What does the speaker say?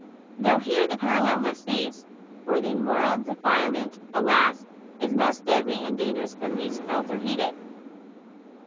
Though here the parallel must cease; for the moral defilement, alas! is most deadly and dangerous when least felt or heeded.